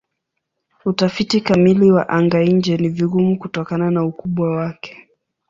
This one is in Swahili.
Utafiti kamili wa anga-nje ni vigumu kutokana na ukubwa wake.